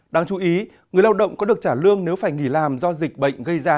đáng chú ý người lao động có được trả lương nếu phải nghỉ làm do dịch bệnh gây ra